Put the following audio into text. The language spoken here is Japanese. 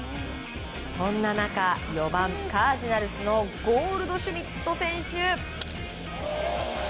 そんな中、４番カージナルスのゴールドシュミット選手。